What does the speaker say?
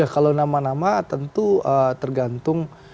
kalau nama nama tentu tergantung